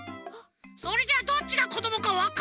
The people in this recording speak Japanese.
それじゃあどっちがこどもかわかんないでしょ！